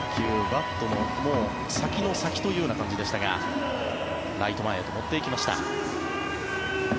バットの先の先というような感じでしたがライト前へと持っていきました。